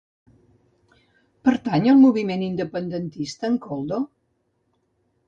Pertany al moviment independentista el Koldo?